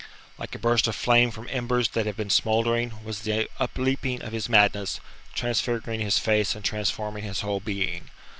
Like a burst of flame from embers that have been smouldering was the upleaping of his madness, transfiguring his face and transforming his whole being.